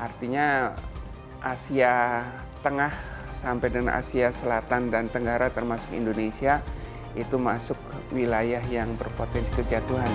artinya asia tengah sampai dengan asia selatan dan tenggara termasuk indonesia itu masuk wilayah yang berpotensi kejatuhan